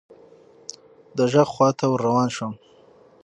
د ږغ خواته ور روان شوم .